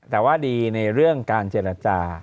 แต่ว่าดีในเรื่องการเจรจา